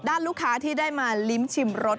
ลูกค้าที่ได้มาลิ้มชิมรส